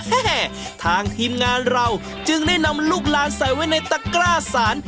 ทางทีมงานเราจึงได้นำลูกหลานใส่ไว้ในตะกร้าสาร